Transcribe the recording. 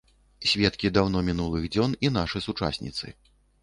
Сведкі даўно мінулых дзён і нашы сучасніцы.